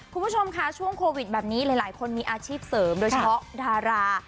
คุณผู้ชมค่ะช่วงโควิดแบบนี้หลายคนมีอาชีพเสริมโดยเฉพาะดารา